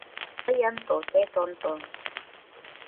Тыйын тосет Онтон».